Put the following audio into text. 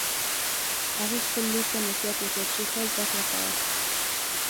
هغې خپل لور ته نصیحت وکړ چې ښه زده کړه کوه